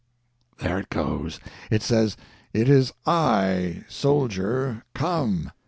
There it goes! It says, 'It is I, Soldier—come!